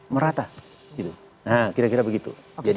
merata nah kira kira begitu